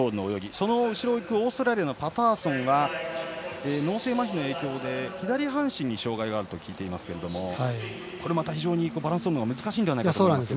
その後ろのオーストラリアパターソンは脳性まひの影響で左半身に障がいがあると聞いていますがこれまた非常にバランスをとるのが難しいと思いますが。